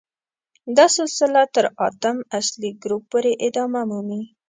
دا سلسله تر اتم اصلي ګروپ پورې ادامه مومي.